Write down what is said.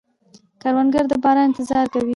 کروندګر د باران انتظار کوي